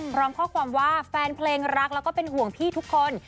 พร้อมข้อความว่าแฟนเพลงรักแล้วก็เป็นห่วงพี่ทุกคน